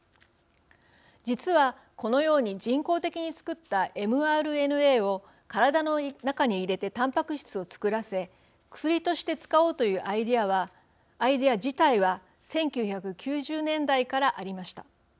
実は、このように人工的に作ったｍＲＮＡを体の中に入れてたんぱく質を作らせ、薬として使おうというアイデア自体は１９９０年代からありました。